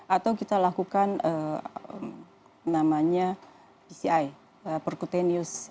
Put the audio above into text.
atau kita lakukan namanya pci percutenius